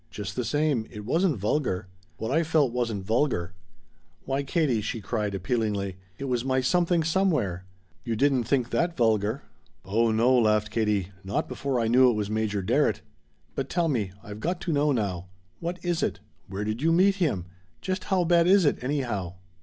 "Just the same it wasn't vulgar. What I felt wasn't vulgar. Why, Katie," she cried appealingly, "it was my Something Somewhere! You didn't think that vulgar!" "Oh no," laughed Katie, "not before I knew it was Major Darrett! But tell me I've got to know now. What is it? Where did you meet him? Just how bad is it, anyhow?"